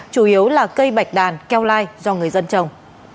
chủ yếu là cây bạch đàn keo lai do người dân trồng